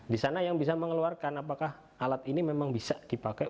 di sana yang bisa mengeluarkan apakah alat ini memang bisa dipakai